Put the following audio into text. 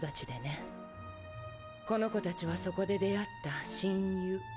この子たちはそこで出会った親友。